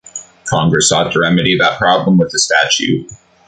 Congress sought to remedy that problem with this statute.